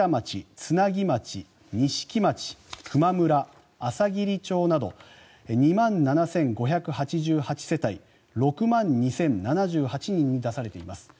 津奈木町、錦町、球磨村朝霧町など２万７５７８世帯６万２０７８人に出されています。